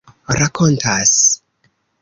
rakontas